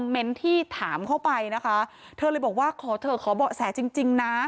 ให้๓แสนจริง